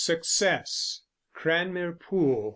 SUCCESS. Cranmere Pool!